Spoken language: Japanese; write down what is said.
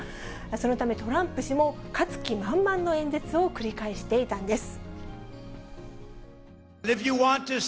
そのため、トランプ氏も勝つ気満々の演説を繰り返していたんです。